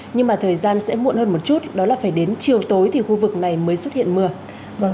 nhưng mà thời gian sẽ muộn hơn một chút đó là phải đến chiều tối thì khu vực này mới xuất hiện mưa